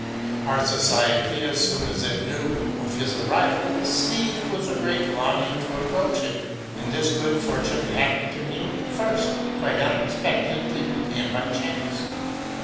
Our society, as soon as it knew of his arrival, was seized with a great longing to approach him ; and this good fortune happened to me first, quite unex pectedly and by chance.